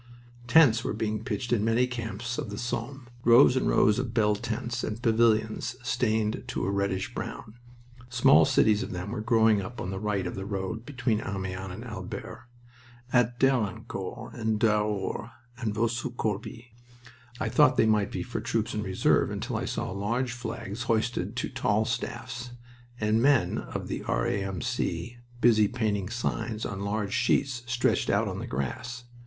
Tents were being pitched in many camps of the Somme, rows and rows of bell tents and pavilions stained to a reddish brown. Small cities of them were growing up on the right of the road between Amiens and Albert at Dernancourt and Daours and Vaux sous Corbie. I thought they might be for troops in reserve until I saw large flags hoisted to tall staffs and men of the R.A.M.C. busy painting signs on large sheets stretched out on the grass.